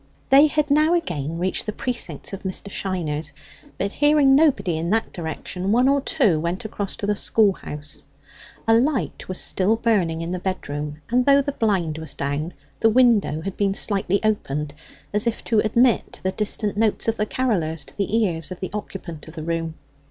They had now again reached the precincts of Mr. Shiner's, but hearing nobody in that direction, one or two went across to the schoolhouse. A light was still burning in the bedroom, and though the blind was down, the window had been slightly opened, as if to admit the distant notes of the carollers to the ears of the occupant of the room.